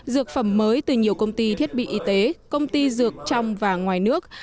dược phẩm mới từ nhiều công ty thiết bị y tế công ty dược trong và ngoài nước